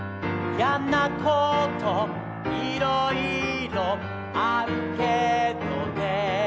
「やなこといろいろあるけどね」